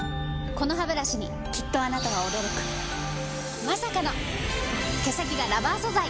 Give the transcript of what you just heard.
このハブラシにきっとあなたは驚くまさかの毛先がラバー素材！